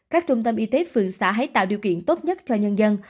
các trung tâm y tế phường xã tạo điều kiện tốt nhất cho nhân dân